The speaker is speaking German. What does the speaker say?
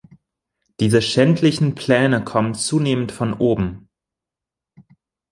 Diese schändlichen Pläne kommen zunehmend von oben.